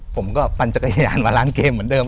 ปั่นจักรยานมาล้างเกมเหมือนเดิม